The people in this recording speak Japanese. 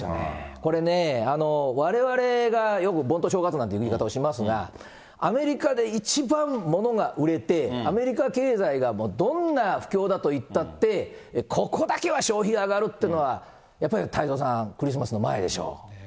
これね、われわれがよく盆と正月なんていう言い方をしますが、アメリカで一番物が売れて、アメリカ経済がどんな不況だといったって、ここだけは消費上がるっていうのは、やっぱり太蔵さん、クリスマスの前でしょ。